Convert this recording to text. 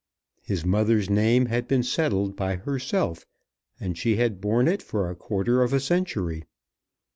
His mother's name had been settled by herself, and she had borne it for a quarter of a century.